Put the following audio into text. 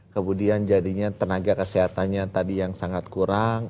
kemudian jadinya tenaga kesehatannya tadi yang sangat kurang